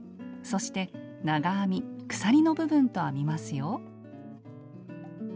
そして長編み・鎖の部分と編みますよ。